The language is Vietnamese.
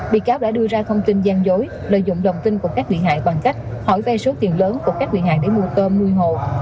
bị cáo đã đưa ra thông tin gian dối lợi dụng đồng tin của các bị hại bằng cách hỏi vay số tiền lớn của các quyền hạn để mua tôm nuôi hồ